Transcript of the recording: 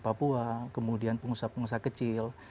papua kemudian pengusaha pengusaha kecil